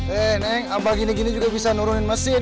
hei neng abah gini gini juga bisa nurunin mesin